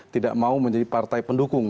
tidak mau menjadi partai pendukung